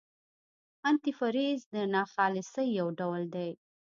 انتي فریز د ناخالصۍ یو ډول دی.